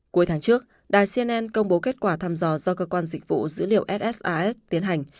cuối tháng trước đài cnn công bố kết quả thăm dò do cơ quan dịch vụ dữ liệu ssas tiến hành